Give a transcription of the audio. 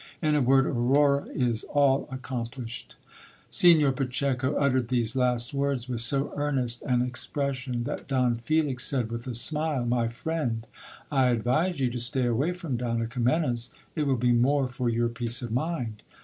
In a word, Aurora is all accomplished. Signor Pacheco uttered these last words with so earnest an expression, that Don Felix said with a smile — My friend, I advise you to stay away from Donna Kimena's, it will be more for your peace of mind.